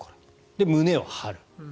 で、胸を張る。